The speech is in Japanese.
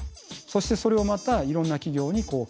そしてそれをまたいろんな企業に共有する。